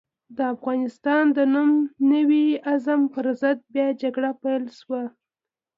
د افغانستان د نوي عزم پر ضد بيا جګړه پيل شوه.